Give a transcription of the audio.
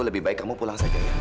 lebih baik kamu pulang saja ya